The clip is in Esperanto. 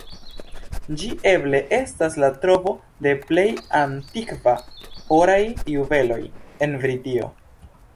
Ĝi eble estas la trovo de plej antikvaj oraj juveloj en Britio.